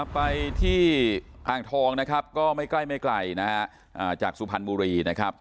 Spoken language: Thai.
ไปที่อ่างทองนะครับก็ไม่ใกล้จากสุพรรณมุรีนะครับ